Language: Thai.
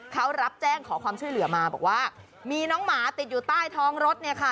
เขารับแจ้งขอความช่วยเหลือมาบอกว่ามีน้องหมาติดอยู่ใต้ท้องรถเนี่ยค่ะ